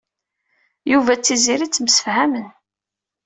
Yuba d Tiziri ttemɛawanen.